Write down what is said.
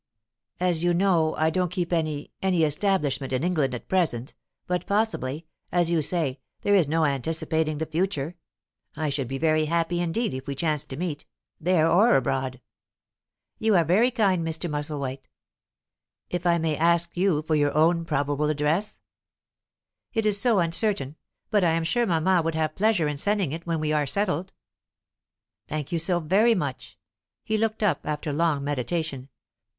As you know, I don't keep any any establishment in England at present; but possibly as you say, there is no anticipating the future. I should be very happy indeed if we chanced to meet, there or abroad." "You are very kind, Mr. Musselwhite." "If I might ask you for your own probable address?" "It is so uncertain. But I am sure mamma would have pleasure in sending it, when we arc settled." "Thank you so very much." He looked up after long meditation.